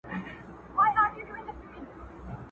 يوه ورځ څه موږكان په لاپو سر وه!!